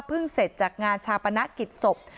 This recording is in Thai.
เพิ่งเสร็จจากงานชาปนักกิจศพ